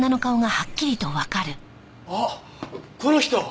あっこの人。